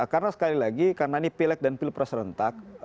karena sekali lagi karena ini pileg dan pilpres rentak